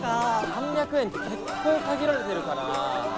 ３００円って結構限られてるからな。